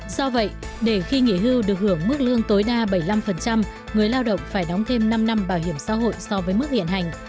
do vậy để khi nghỉ hưu được hưởng mức lương tối đa bảy mươi năm người lao động phải đóng thêm năm năm bảo hiểm xã hội so với mức hiện hành